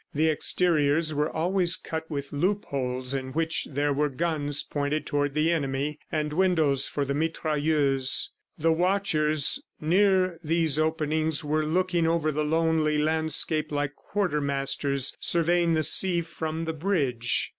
The exteriors were always cut with loopholes in which there were guns pointed toward the enemy, and windows for the mitrailleuses. The watchers near these openings were looking over the lonely landscape like quartermasters surveying the sea from the bridge.